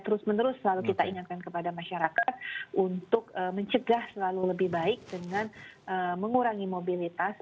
terus menerus selalu kita ingatkan kepada masyarakat untuk mencegah selalu lebih baik dengan mengurangi mobilitas